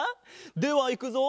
ではいくぞ。